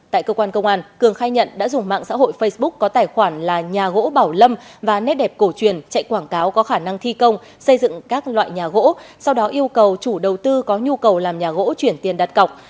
tại cơ quan công an cường khai nhận đã dùng mạng xã hội facebook có tài khoản là nhà gỗ bảo lâm và nét đẹp cổ truyền chạy quảng cáo có khả năng thi công xây dựng các loại nhà gỗ sau đó yêu cầu chủ đầu tư có nhu cầu làm nhà gỗ chuyển tiền đặt cọc